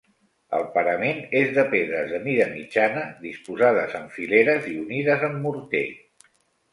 El parament és de pedres de mida mitjana, disposades en fileres i unides amb morter.